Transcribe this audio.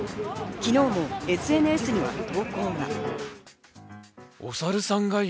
昨日もＳＮＳへの投稿が。